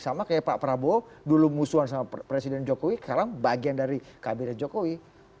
sama kayak pak prabowo dulu musuhan sama presiden jokowi sekarang bagian dari kabinet jokowi